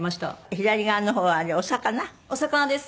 左側の方はあれお魚？お魚です。